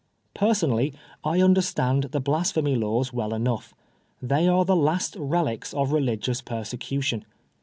Personally I understand the Blasphemy Laws well enough. They are the last relics of religious persecu tion.